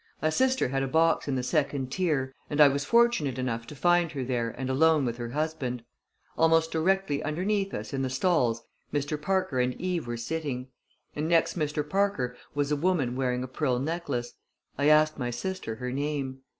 My sister had a box in the second tier and I was fortunate enough to find her there and alone with her husband. Almost directly underneath us in the stalls Mr. Parker and Eve were sitting; and next Mr. Parker was a woman wearing a pearl necklace. I asked my sister her name.